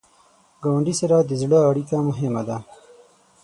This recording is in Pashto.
ګاونډي سره د زړه اړیکه مهمه ده